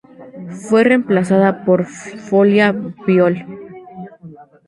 Fue reemplazada por "Folia Biol.